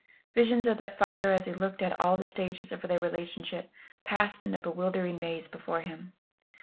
Visions of that father as he looked at all stages of their relationship passed in a bewildering maze before him.